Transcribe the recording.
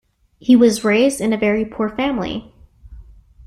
He was raised in a very poor family.